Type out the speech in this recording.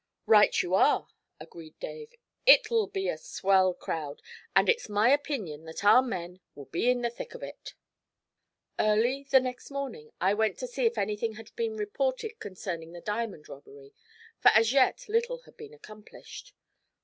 'Right you are!' agreed Dave. 'It'll be a swell crowd, and it's my opinion that our men will be in the thick of it.' Early the next morning I went to see if anything had been reported concerning the diamond robbery, for as yet little had been accomplished.